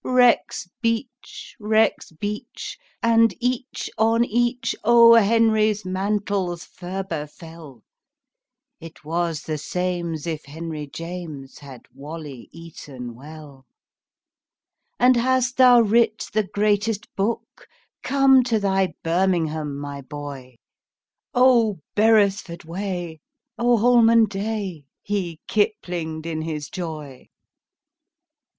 Rexbeach! rexbeach! and each on each O. Henry's mantles ferber fell. It was the same'sif henryjames Had wally eaton well. "And hast thou writ the greatest book? Come to thy birmingham, my boy! Oh, beresford way! Oh, holman day!" He kiplinged in his joy.